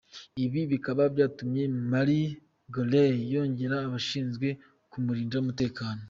Ibi bikaba byatumye Mariah Carey yongera abashinzwe kumurindira umutekano.